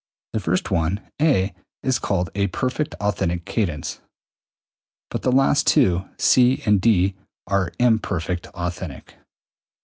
The first one (a) is called a perfect authentic cadence, but the last two (c) and (d) are imperfect authentic.